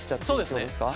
そうですね。